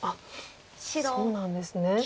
そうなんですね。